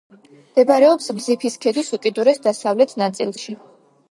მდებარეობს ბზიფის ქედის უკიდურეს დასავლეთ ნაწილში.